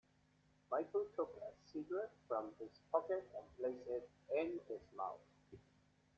Michael took a cigarette from his pocket and placed it in his mouth.